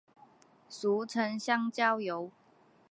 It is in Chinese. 俗称香蕉油。